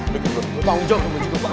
bikin gue lupa ujung ke baju gue banget ya